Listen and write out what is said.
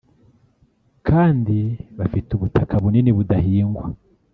kandi bafite ubutaka bunini budahingwa